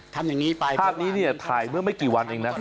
ภาพนี้เนี่ยถ่ายเมื่อไม่กี่วันเองนะครับ